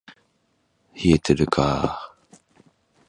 冷えてるか～